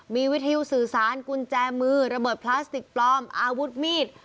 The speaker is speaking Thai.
มีวิทยุสื่อสารกุญแจมือระเบิดพลาสติกปลอมอาวุธมีด